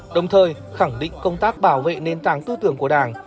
đồng thời khẳng định công tác bảo vệ nền tảng tư tưởng của đảng